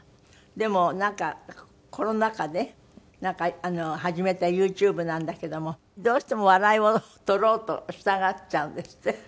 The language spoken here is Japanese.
でもなんかコロナ禍で始めたＹｏｕＴｕｂｅなんだけどもどうしても笑いを取ろうとしたがっちゃうんですって？